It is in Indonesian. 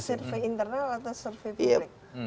survei internal atau survei publik